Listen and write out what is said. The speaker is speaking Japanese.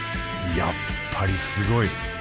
やっぱりすごい。